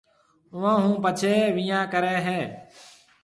اُوئي هون پڇيَ ويهان ڪريَ هيَ۔